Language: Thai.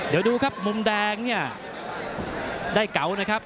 เดี๋ยวดูครับมุมแดงเนี่ยได้เก๋านะครับ